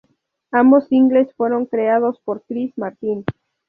Ambos singles fueron creados por Chris Martin.